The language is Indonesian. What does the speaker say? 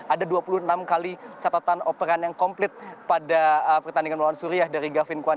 ada dua puluh enam kali catatan operan yang komplit pada pertandingan melawan suriah dari gavin kwan